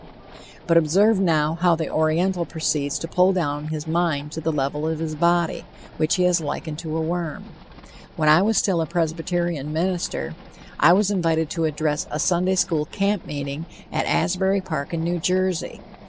But observe now how the Oriental proceeds to pull down his mind to the level of his body, which he has likened to a worm. When I was still a Presbyterian minister, I was invited to address a Sunday school camp meeting at Asbury Park in New Jersey.